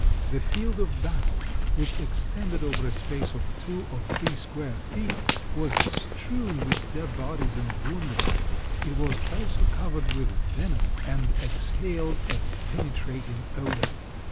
The field of battle, which extended over a space of two or three square feet, was strewn with dead bodies and wounded; it was also covered with venom, and exhaled a penetrating odor.